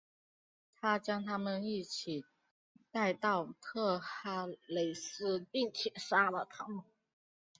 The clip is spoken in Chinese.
他将他们一起带到特哈雷斯并且杀了他们。